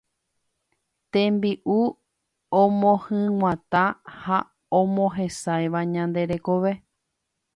Tembi'u omohyg̃uatã ha omohesãiva ñande rekove.